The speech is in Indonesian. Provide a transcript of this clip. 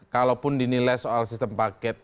kalaupun dinilai soal sistem paket